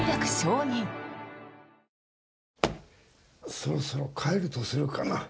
そろそろ帰るとするかな。